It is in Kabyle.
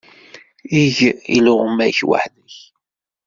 Eg iluɣma-k weḥd-k.